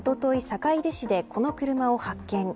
坂出市でこの車を発見。